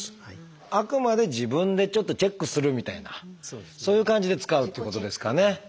あくまで自分でちょっとチェックするみたいなそういう感じで使うっていうことですかね。